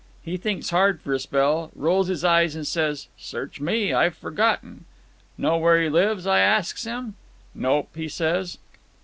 He thinks hard for a spell, rolls his eyes, and says: 'Search me. I've forgotten.' 'Know where he lives?' I asks him. 'Nope,' he says.